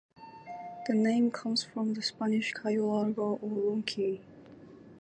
The name comes from the Spanish "Cayo Largo", or "long key".